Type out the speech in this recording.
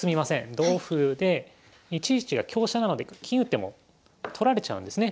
同歩で１一が香車なので金打っても取られちゃうんですね。